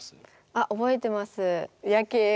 あ覚えてます。